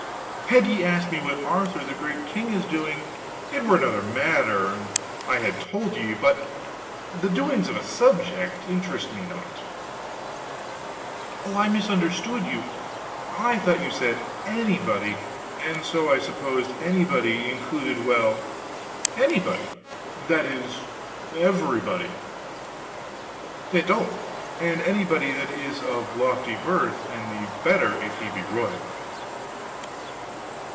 Had ye asked me what Arthur the great king is doing, it were another matter, and I had told ye; but the doings of a subject interest me not." "Oh, I misunderstood you. I thought you said 'anybody,' and so I supposed 'anybody' included well, anybody; that is, everybody." "It doth anybody that is of lofty birth; and the better if he be royal."